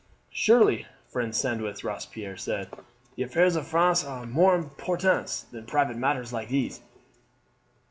"Surely, friend Sandwith," Robespierre said, "the affairs of France are of more importance than private matters like these."